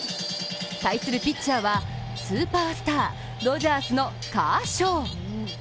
対するピッチャーは、スーパースタードジャースのカーショー。